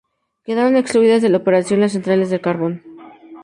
Quedaron excluidas de la operación las centrales de carbón.